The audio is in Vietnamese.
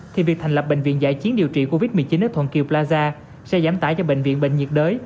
thì việc thành lập bệnh viện giải chiến điều trị covid một mươi chín ở thuận plaza sẽ giảm tải cho bệnh viện bệnh nhiệt đới